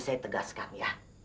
saya tegaskan ya